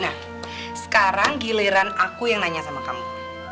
nah sekarang giliran aku yang nanya sama kamu